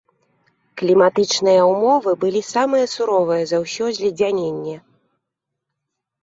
Кліматычныя ўмовы былі самыя суровыя за ўсё зледзяненне.